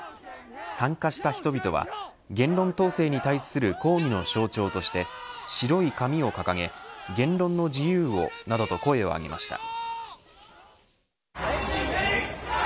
参加した人々は言論統制に対する抗議の象徴として白い紙を掲げ言論の自由をなどと声を上げました。